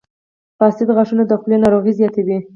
• فاسد غاښونه د خولې ناروغۍ زیاتوي.